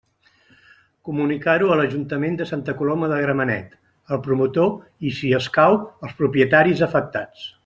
Comunicar-ho a l'Ajuntament de Santa Coloma de Gramenet, al promotor i, si escau, als propietaris afectats.